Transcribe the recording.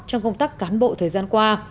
trong công tác cán bộ thời gian qua